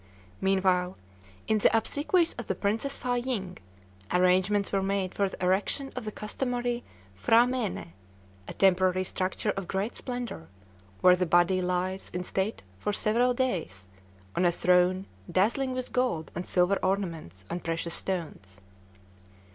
Meanwhile, in the obsequies of the Princess Fâ ying, arrangements were made for the erection of the customary P'hra mène, a temporary structure of great splendor, where the body lies in state for several days, on a throne dazzling with gold and silver ornaments and precious stones.